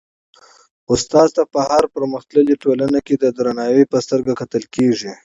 استاد ته په هره پرمختللي ټولنه کي د درناوي په سترګه کتل کيږي.